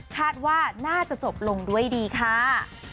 คาดว่าน่าจะจบลงด้วยดีค่ะ